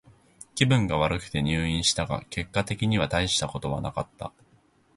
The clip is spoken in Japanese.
気分が悪くて入院したが、結果的にはたいしたことはなかった。